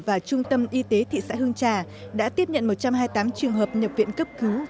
và trung tâm y tế thị xã hương trà đã tiếp nhận một trăm hai mươi tám trường hợp nhập viện cấp cứu